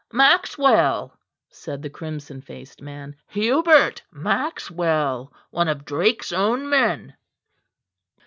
"Maxwell," said the crimson faced man. "Hubert Maxwell one of Drake's own men."